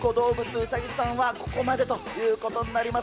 うさぎさんはここまでということになります。